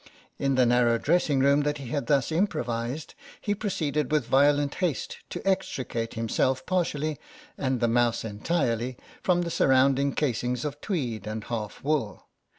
In the narrow dressing room that he had thus improvised he proceeded with violent haste to extricate himself partially and the mouse entirely from the surrounding casings of tweed and half wool.